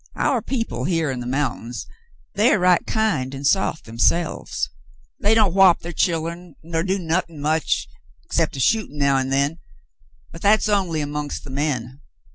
Our people here on the mountain, they're right kind an' soft therselves. They don't whop ther chillen, nor do nothin' much 'cept a shootin' now an' then, but that's only amongst the men.